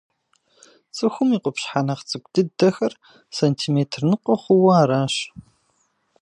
Цӏыхум и къупщхьэ нэхъ цӏыкӏу дыдэхэр сантиметр ныкъуэ хъууэ аращ.